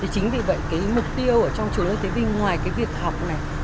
chính vì vậy mục tiêu trong chủ đô thế vinh ngoài việc học